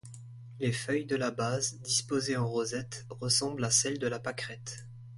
Les feuilles de la base, disposées en rosette, ressemblent à celles de la pâquerette.